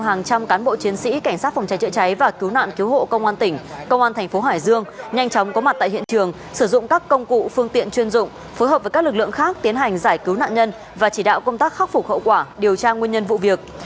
hàng trăm cán bộ chiến sĩ cảnh sát phòng cháy chữa cháy và cứu nạn cứu hộ công an tỉnh công an thành phố hải dương nhanh chóng có mặt tại hiện trường sử dụng các công cụ phương tiện chuyên dụng phối hợp với các lực lượng khác tiến hành giải cứu nạn nhân và chỉ đạo công tác khắc phục hậu quả điều tra nguyên nhân vụ việc